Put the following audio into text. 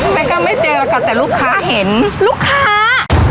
แล้วก็ไม่เจอกันแต่ลูกค้าเห็นลูกค้า